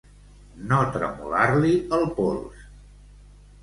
No tremolar-li el pols.